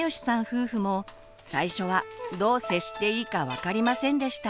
夫婦も最初はどう接していいか分かりませんでした。